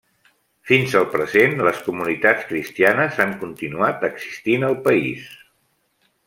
Fins al present les comunitats cristianes han continuat existint al país.